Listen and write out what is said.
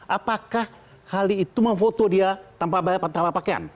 apakah hal itu memfoto dia tanpa pakaian